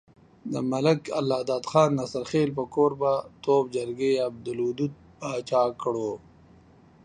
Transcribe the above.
د ملک الله داد خان ناصرخېل په کوربه توب جرګې عبدالودو باچا کړو۔